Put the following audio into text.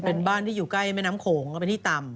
เป็นบ้านที่อยู่ใกล้แม่น้ำโขงก็เป็นที่ต่ำ